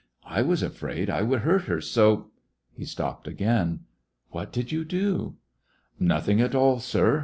I was afraid I would hurt her, so—" He stopped again. "What did you dot" "Nothing at all, sir.